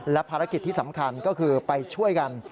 และภารกิจที่สำคัญก็คือไปช่วยกัน